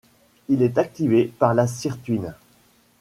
Il est activé par la sirtuine.